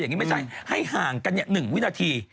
อย่างนี้ไม่ใช่ให้ห่างกัน๑วินาที